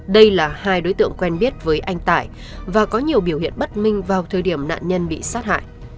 đây là hai đối tượng quen biết với anh tải và có nhiều biểu hiện bất minh vào thời điểm nạn nhân bị sát hại